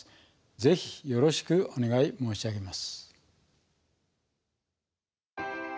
ぜひよろしくお願い申し上げます。